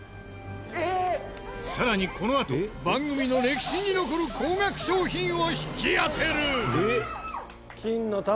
さらにこのあと番組の歴史に残る高額商品を引き当てる！